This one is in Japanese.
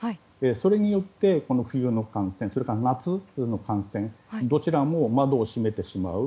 それによって冬の感染それから夏の感染どちらも窓を閉めてしまう。